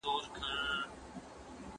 تبعیض په دین او قانون دواړو کي منع و.